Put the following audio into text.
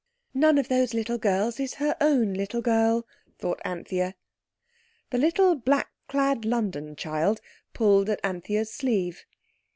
"None of those little girls is her own little girl," thought Anthea. The little black clad London child pulled at Anthea's sleeve.